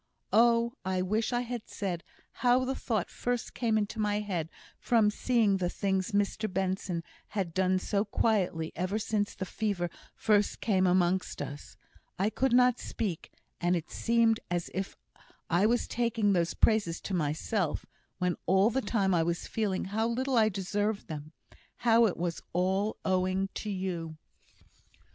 Oh! I wish I had said how the thought first came into my head from seeing the things Mr Benson has done so quietly ever since the fever first came amongst us. I could not speak; and it seemed as if I was taking those praises to myself, when all the time I was feeling how little I deserved them how it was all owing to you."